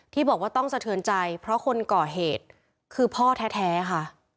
ที่บอกว่าต้องสะเทือนใจเพราะคนก่อเหตุคือพ่อแท้ค่ะ